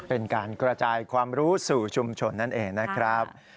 เป็นการกระจายความรู้สู่ชุมชนนั่นเองนะครับ